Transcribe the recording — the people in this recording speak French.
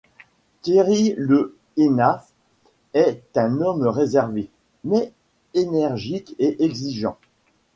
Thierry Le Hénaff est un homme réservé, mais énergique et exigeant.